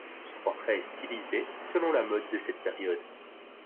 Son portrait est stylisé, selon la mode de cette période.